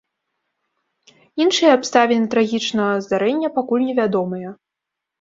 Іншыя абставіны трагічнага здарэння пакуль невядомыя.